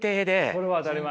それは当たり前。